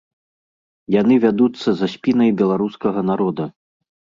Яны вядуцца за спінай беларускага народа!